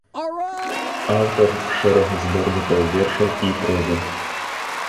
Аўтар шэрагу зборнікаў вершаў і прозы.